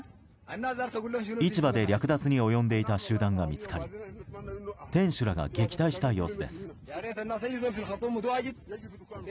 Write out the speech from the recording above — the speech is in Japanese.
市場で略奪に及んでいた集団が見つかり店主らが撃退した様子です。